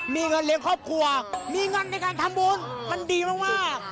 มีเงินเลี้ยงครอบครัวมีเงินในการทำบุญมันดีมาก